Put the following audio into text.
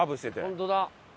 本当だ。